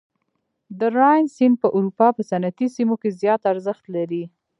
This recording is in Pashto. د راین سیند په اروپا په صنعتي سیمو کې زیات ارزښت لري.